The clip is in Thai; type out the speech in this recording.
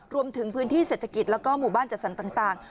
รวมถึงพื้นที่เศรษฐกิจแล้วก็หมู่บ้านจัดสรรต่าง